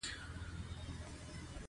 زرکشان دغزني پهمفر کې د يوۀ غرۀ نوم دی.